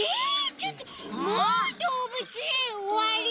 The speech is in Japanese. ちょっともうどうぶつえんおわり？